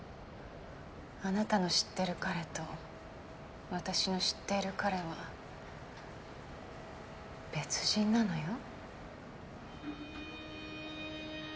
あなたの知ってる彼と私の知っている彼は別人なのよ。